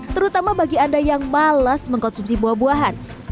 terutama bagi anda yang malas mengkonsumsi buah buahan